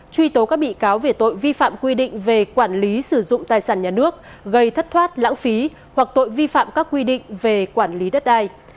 truy tố các bị cáo về tội vi phạm quy định về quản lý sử dụng tài sản nhà nước gây thất thoát lãng phí hoặc tội vi phạm các quy định về quản lý đất đai